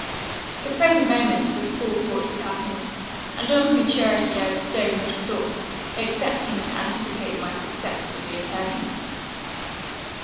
The present moment was full fraught with happiness; and on futurity I bestowed not a thought, excepting to anticipate my success with the attorney.